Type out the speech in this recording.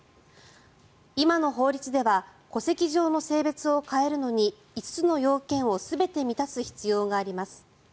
今の法律では戸籍上の性別を変えるのに５つの要件を全て満たす必要があります。